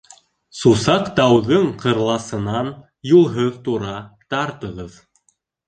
Сусаҡтауҙың ҡырласынан юлһыҙ тура тартығыҙ.